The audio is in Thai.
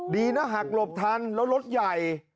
ดีนะหักหลบทันแล้วรถใหญ่